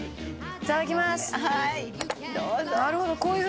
いただきます。